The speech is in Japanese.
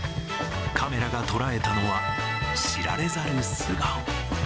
カメラが捉えたのは、知られざる素顔。